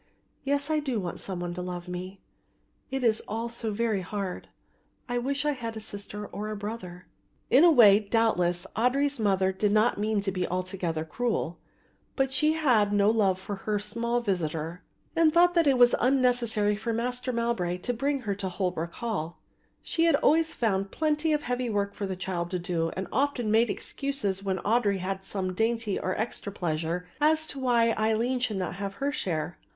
Yes, I do want some one to love me, it is all so very hard; I wish I had a sister or a brother." In a way, doubtless, Audry's mother did not mean to be altogether cruel; but she had no love for her small visitor and thought that it was unnecessary for Master Mowbray to bring her to Holwick Hall. So she always found plenty of heavy work for the child to do and often made excuses when Audry had some dainty or extra pleasure as to why Aline should not have her share.